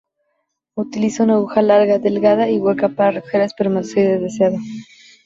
Utiliza una aguja larga, delgada y hueca para recoger el espermatozoide deseado.